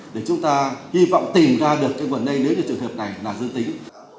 để chúng ta hy vọng tìm ra được cái vấn đề nếu được trường hợp này là dự tính